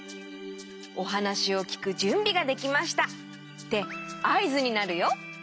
おはなしをきくじゅんびができましたってあいずになるよ。